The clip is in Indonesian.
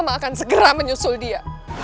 maka akan segera menyusul dia